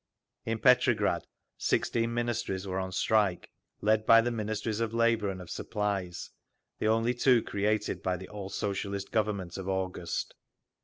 In Petrograd sixteen Ministries were on strike, led by the Ministries of Labour and of Supplies—the only two created by the all Socialist Government of August.